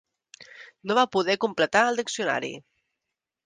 No va poder completar el diccionari.